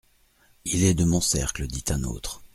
Il est de mon cercle, dit un autre.